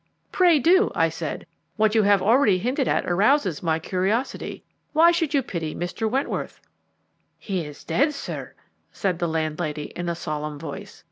"Pray do," I said; "what you have already hinted at arouses my curiosity. Why should you pity Mr. Wentworth?" "He is dead, sir," said the landlady, in a solemn voice.